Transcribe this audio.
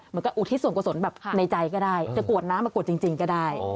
มันก็อุทิศส่วนกุศลแบบในใจก็ได้แต่กรวดน้ำกรวดจริงก็ได้